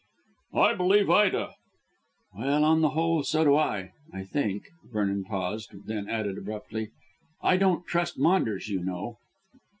"I believe Ida." "Well, on the whole, so do I. I think," Vernon paused, then added abruptly, "I don't trust Maunders, you know."